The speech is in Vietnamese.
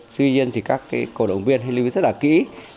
tuy nhiên thì các cổ động viên hãy lưu ý rất là kỹ